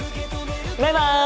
バイバイ！